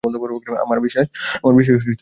আমার বিশ্বাস তুমি এমনই।